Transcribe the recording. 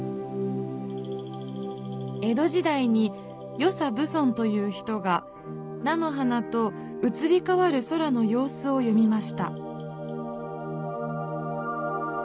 江戸時代に与謝蕪村という人が菜の花とうつりかわる空のようすをよみました。